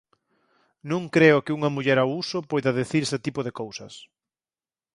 Non creo que unha muller ao uso poida dicir este tipo de cousas.